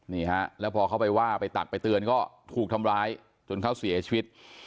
นี่ฮะแล้วพอเขาไปว่าไปตักไปเตือนก็ถูกทำร้ายจนเขาเสียชีวิต